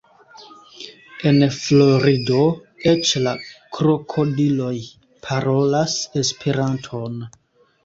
En Florido eĉ la krokodiloj parolas Esperanton!